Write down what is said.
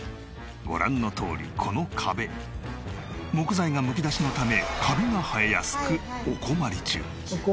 ご覧のとおりこの壁木材がむき出しのためカビが生えやすくお困り中。